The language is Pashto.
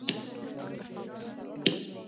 دوی په پراخه څو اړخیزو برخو کې پرمختګ کوي